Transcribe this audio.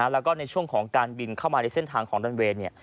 แล้วก็ในช่วงของการบินเข้ามาในเส้นทางของดันเวย์